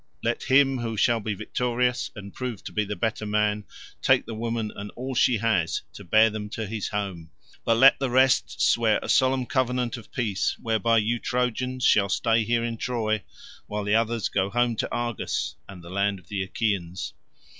Let him who shall be victorious and prove to be the better man take the woman and all she has, to bear them to his home, but let the rest swear to a solemn covenant of peace whereby you Trojans shall stay here in Troy, while the others go home to Argos and the land of the Achaeans."